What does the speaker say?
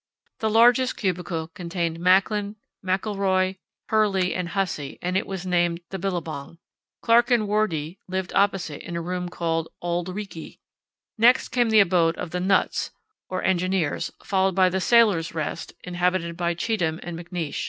The largest cubicle contained Macklin, McIlroy, Hurley, and Hussey and it was named "The Billabong." Clark and Wordie lived opposite in a room called "Auld Reekie." Next came the abode of "The Nuts" or engineers, followed by "The Sailors' Rest," inhabited by Cheetham and McNeish.